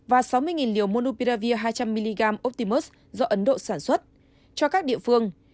và sáu mươi liều monupiravir hai trăm linh mg optimus do ấn độ sản xuất cho các địa phương